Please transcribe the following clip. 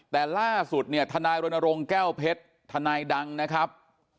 แต่ล่าสุดเนี่ยทนายรณรงค์แก้วเพชรทนายดังนะครับ